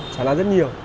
chả là rất nhiều